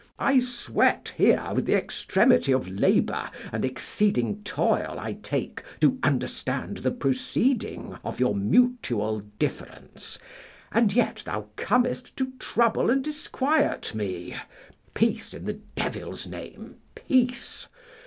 I sweat here with the extremity of labour and exceeding toil I take to understand the proceeding of your mutual difference, and yet thou comest to trouble and disquiet me. Peace, in the devil's name, peace.